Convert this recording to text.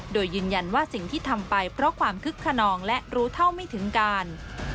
โดยยืนยันว่าสิ่งที่ทำไปเพราะความคึกขนองและรู้เท่าไม่ถึงการ